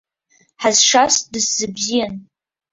Ҳазшаз дысзыбзиан.